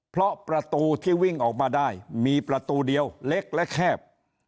เพราะประตูที่วิ่งออกมาได้มีประตูเดียวเล็กและแคบ